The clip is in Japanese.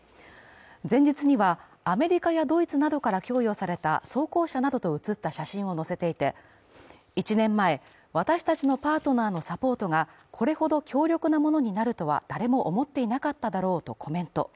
前日にはアメリカやドイツなどから供与された装甲車などと写った写真を載せていて、１年前、私達のパートナーのサポートがこれほど強力なものになるとは誰も思っていなかっただろうとコメント。